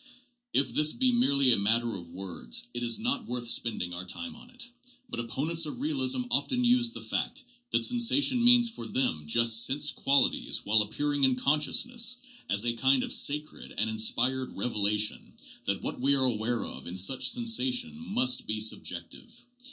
If this be merely a matter of words, it is not worth spending our time on it. But opponents of realism often use the fact that sensation means for them just 'sense qualities while appearing in consciousness' as a kind of sacred and inspired revelation that what we are aware of in such sensation must be subjective.